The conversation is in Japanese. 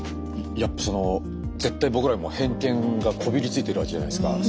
やっぱその絶対僕らも偏見がこびりついてるわけじゃないですか。